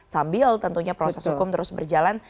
sambil tentunya proses hukum terus berjalan